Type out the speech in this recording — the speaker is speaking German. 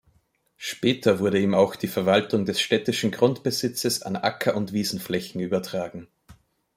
Später wurde ihm auch die Verwaltung des städtischen Grundbesitzes an Acker- und Wiesenflächen übertragen.